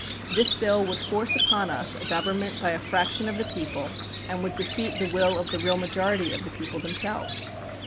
This bill would force upon us a government by a fraction of the peo ple and would defeat the will of the real majority of the people themselves.